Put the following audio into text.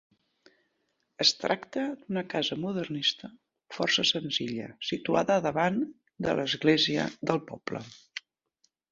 Es tracta d'una casa modernista força senzilla, situada a davant de l'església del poble.